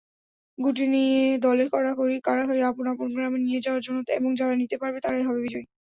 গুটি নিয়ে দলের কাড়াকাড়ি, আপন আপন গ্রামে নিয়ে যাওয়ার জন্য এবং যারা নিতে পারবে তারাই হবে বিজয়ী।